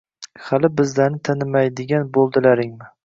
Hali bizlarni tanimaydigan bo`ldilaringmi